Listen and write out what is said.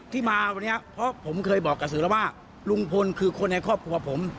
ที่มาวันนี้เพราะผมเคยบอกกับสื่อแล้วว่าลุงพลคือคนในครอบครัวผม